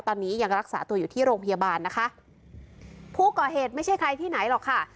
ตอนนี้ยังรักษาตัวอยู่ที่โรงพยาบาลนะคะผู้ก่อเหตุไม่ใช่ใครที่ไหนหรอกค่ะ